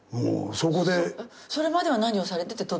それまでは何をされてて。